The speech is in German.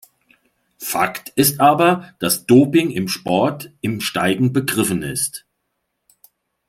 Fakt ist aber, dass Doping im Sport im Steigen begriffen ist.